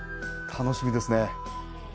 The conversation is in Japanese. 楽しみですね。